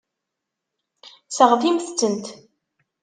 Seɣtimt-tent.